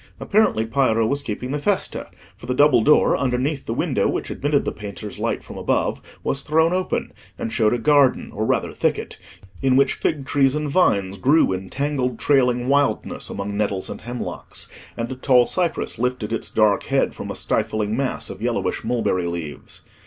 Apparently Piero was keeping the Festa, for the double door underneath the window which admitted the painter's light from above, was thrown open, and showed a garden, or rather thicket, in which fig trees and vines grew in tangled trailing wildness among nettles and hemlocks, and a tall cypress lifted its dark head from a stifling mass of yellowish mulberry leaves.